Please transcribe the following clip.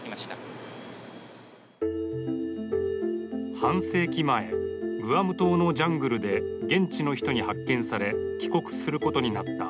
半世紀前グアム島のジャングルで現地の人に発見され帰国することになった